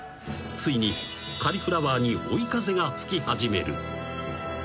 ［ついにカリフラワーに追い風が吹き始める］